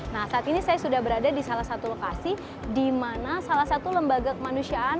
nah saat ini saya sudah berada di salah satu lokasi di mana salah satu lembaga kemanusiaan